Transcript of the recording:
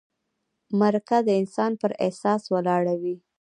مرکه د انسان پر احساس ولاړه وي.